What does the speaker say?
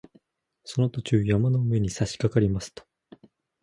その途中、山の上にさしかかりますと